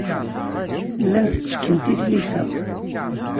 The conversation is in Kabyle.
Llant ttekkent i tlisa.